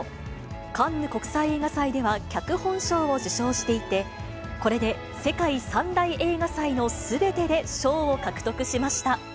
カンヌ国際映画祭では脚本賞を受賞していて、これで世界３大映画祭のすべてで賞を獲得しました。